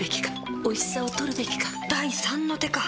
第三の手か！